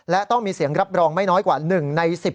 และต้องมีเสียงรับรองไม่น้อยกว่า๑ใน๑๐